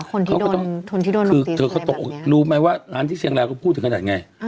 คนที่โดนคนที่โดนนกตีนอะไรแบบเนี้ยรู้ไหมว่าร้านที่เชียงแล้วก็พูดถึงขนาดไง